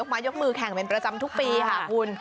มายกมือแข่งเป็นประจำทุกปีค่ะคุณ